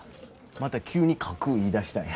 また急に書く言いだしたんや。